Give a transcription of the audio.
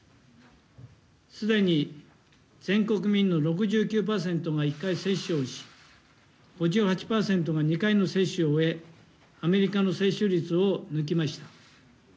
すでに全国民の６９％が１回接種をし、５８％が２回の接種を終え、アメリカの接種率を抜きました。